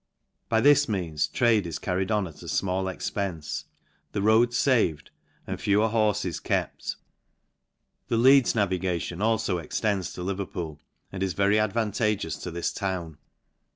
By this means, trade is carried on at a. fmall experice, the roads faved, and fewer hones kept. The Leeds navigation alfo extends to Lev&r * pool) and is very advantageous to this town.